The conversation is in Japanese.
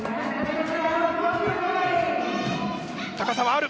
高さはある！